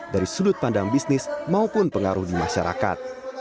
dari sudut pandang bisnis maupun pengaruh di masyarakat